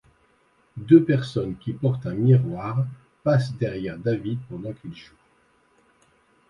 Deux personnes qui portent un miroir passe derrière David pendant qu'il joue.